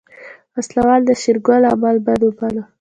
وسله وال د شېرګل عمل بد وباله.